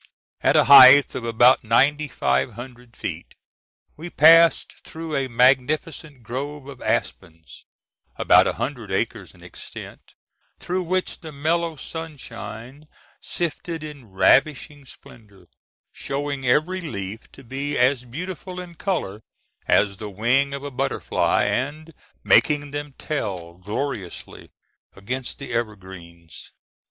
At a height of about ninety five hundred feet we passed through a magnificent grove of aspens, about a hundred acres in extent, through which the mellow sunshine sifted in ravishing splendor, showing every leaf to be as beautiful in color as the wing of a butterfly, and making them tell gloriously against the evergreens.